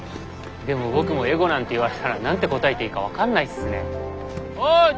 でも僕もエゴなんて言われたら何て答えていいか分かんないっすね。